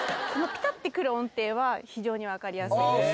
ピタってくる音程は非常に分かりやすいです。